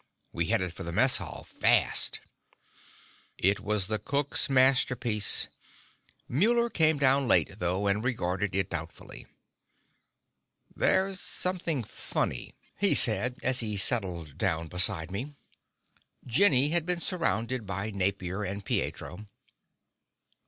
We headed for the mess hall, fast. It was the cook's masterpiece. Muller came down late, though, and regarded it doubtfully. "There's something funny," he said as he settled down beside me. Jenny had been surrounded by Napier and Pietro.